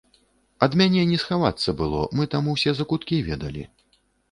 Ад мяне не схавацца было, мы там усе закуткі ведалі.